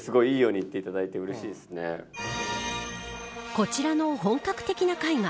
こちらの本格的な絵画。